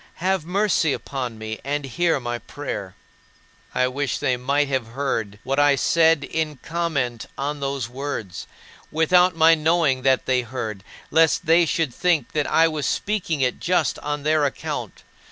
Have mercy upon me and hear my prayer." I wish they might have heard what I said in comment on those words without my knowing that they heard, lest they should think that I was speaking it just on their account.